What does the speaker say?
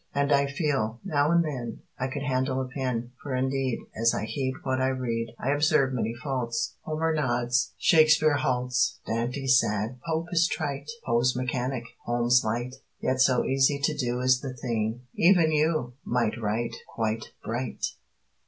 And I feel, now and then, I could handle a pen, For indeed, As I heed What I read, I observe many faults; Homer nods, Shakespere halts, Dante's sad, Pope is trite, Poe's mechanic, Holmes light, Yet so easy to do Is the thing, even you Might Write Quite Bright!